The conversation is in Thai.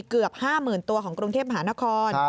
เกือบห้าหมื่นตัวของกรุงเทพภาคนคร